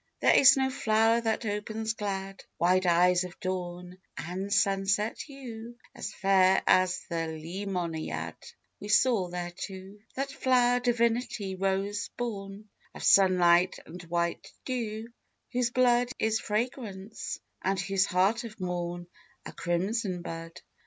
There is no flower that opens glad Wide eyes of dawn and sunset hue, As fair as the Leimoniad We saw there too: That flower divinity, rose born, Of sunlight and white dew, whose blood Is fragrance, and whose heart of morn A crimson bud.